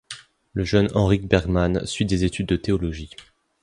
Le jeune Henryk Bergman suit des études de théologie.